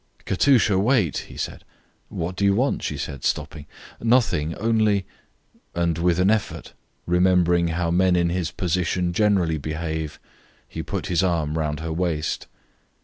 "Katusha, wait," he said. "What do you want?" she said, stopping. "Nothing, only " and, with an effort, remembering how men in his position generally behave, he put his arm round her waist.